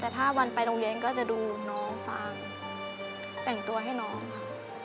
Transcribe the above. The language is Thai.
แต่ถ้าวันไปโรงเรียนก็จะดูน้องฟางแต่งตัวให้น้องค่ะ